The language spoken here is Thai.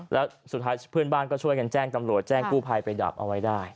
แล้วสุดท้ายเพื่อนบ้านก็ช่วยกันแจ้งตำรวจแจ้งกู้ภัยไปดับเอาไว้ได้